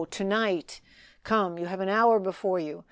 to night! come, you have an hour before you.